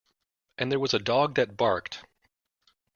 And there was a dog that barked.